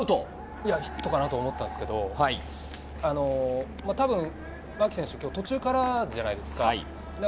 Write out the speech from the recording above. いやヒットかなと思ったんですけど、たぶん牧選手、今日、途中からじゃないですか。